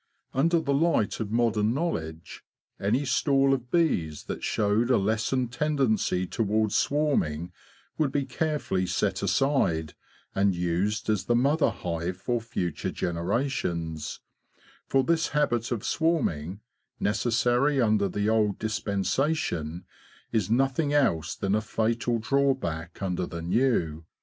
Under the light of modern knowledge, any stall of bees that Showed a lessened tendency towards swarming would be carefully set aside, and used as the mother hive for future generations; for this habit of swarming, necessary under the old dispensation, is nothing else than a fatal drawback under the new.